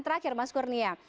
terakhir mas kurnia